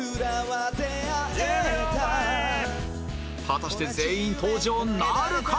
果たして全員登場なるか！？